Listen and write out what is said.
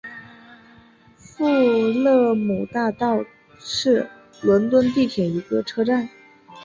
富勒姆大道站是伦敦地铁的一个车站。